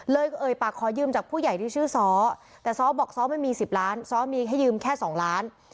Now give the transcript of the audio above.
เอ่ยปากขอยืมจากผู้ใหญ่ที่ชื่อซ้อแต่ซ้อบอกซ้อไม่มี๑๐ล้านซ้อมีแค่ยืมแค่๒ล้าน